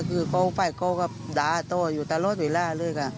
โค้งฟ้ากูก็ด่าต้องอยู่ตลอดเวลาเลยค่ะ